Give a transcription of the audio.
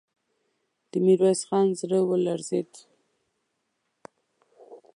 د ميرويس خان زړه ولړزېد.